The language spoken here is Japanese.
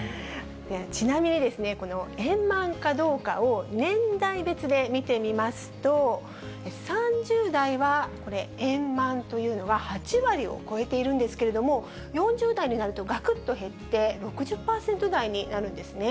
ちなみに、円満かどうかを年代別で見てみますと、３０代は円満というのが８割を超えているんですけれども、４０代になるとがくっと減って、６０％台になるんですね。